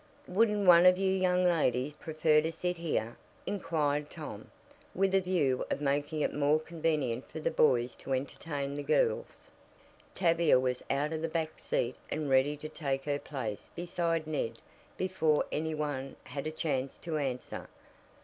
"Wouldn't one of you young ladies prefer to sit here?" inquired Tom, with a view of making it more convenient for the boys to entertain the girls. Tavia was out of the back seat and ready to take her place beside Ned before any one had a chance to answer.